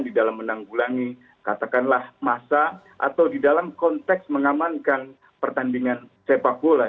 di dalam menanggulangi katakanlah masa atau di dalam konteks mengamankan pertandingan sepak bola